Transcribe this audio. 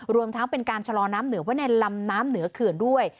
รวมทั้งเป็นการชะลอน้ำเหนือไว้ในลำน้ำเหนือเขื่อนด้วย